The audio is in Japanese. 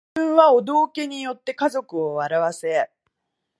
自分はお道化に依って家族を笑わせ